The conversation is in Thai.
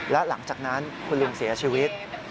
แล้วหลังจากนั้นคุณลุงเสียชีวิต